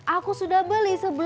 aku sudah beli sebelum